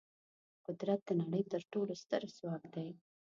قدرت د نړۍ تر ټولو ستر ځواک دی.